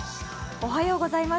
おはようございます。